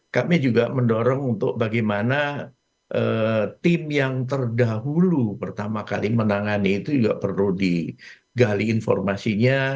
kami juga mendorong untuk bagaimana tim yang terdahulu pertama kali menangani itu juga perlu digali informasinya